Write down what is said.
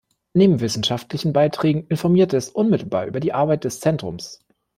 Neben wissenschaftlichen Beiträgen informierte es unmittelbar über die Arbeit des Zentrums.